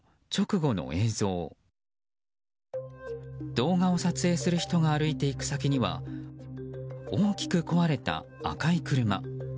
動画を撮影する人が歩いていく先には大きく壊れた赤い車。